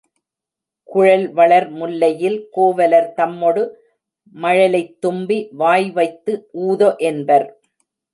குழல் வளர் முல்லையில் கோவலர் தம்மொடு மழலைத் தும்பி வாய்வைத்து ஊத என்பர்.